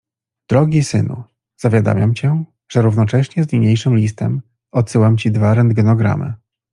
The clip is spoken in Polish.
„Drogi Synu! Zawiadamiam cię, że równocześnie z niniejszym listem odsyłam ci dwa rentgenogramy.